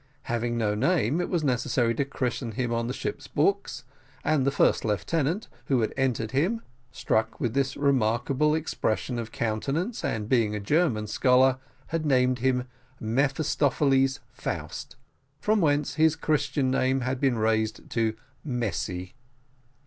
Having no name, it was necessary to christen him on the ship's books, and the first lieutenant, who had entered him, struck with his remarkable expression of countenance, and being a German scholar, had named him Mephistopheles Faust, from whence his Christian name had been razeed to Mesty.